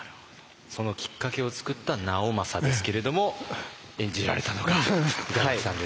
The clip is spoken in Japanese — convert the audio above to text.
そのきっかけを作った直政ですけれども演じられたのが板垣さんですね。